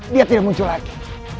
dia tidak muncul lagi